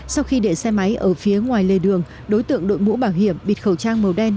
sau khi để xe máy ở phía ngoài lề đường đối tượng đội mũ bảo hiểm bịt khẩu trang màu đen